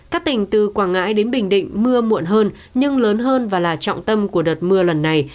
các tỉnh từ quảng ngãi đến bình định mưa muộn hơn nhưng lớn hơn và là trọng tâm của đợt mưa lần này